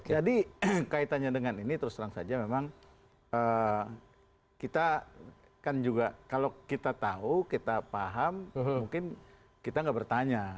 jadi kaitannya dengan ini terus terang saja memang kita kan juga kalau kita tahu kita paham mungkin kita nggak bertanya